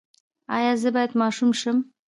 ایا زه باید ماشوم شم؟